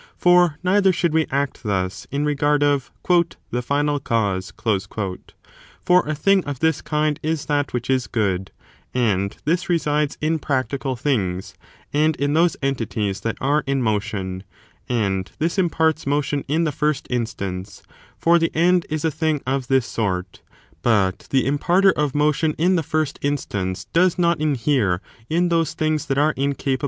For neither should we act thus in regard of " the final cause;" for a thing of this kind is that which is good : and this resides in practical things, and in those entities that are in motion ; and this imparts motion in the first instance, for the end is a thing of this sort : but the imparter of motion in the first instance does not inhere in those things that are incapable of motion.